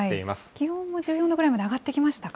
気温も１４度ぐらいまで上がってきましたか。